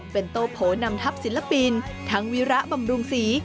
เป็นโตโผนำทัพศิลปินทั้งวีระบำรุงศรี